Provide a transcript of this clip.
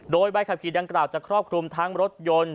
โดยใบขับขี่ดังกล่าวจะครอบคลุมทั้งรถยนต์